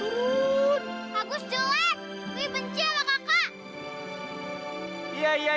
wih benci ama kakak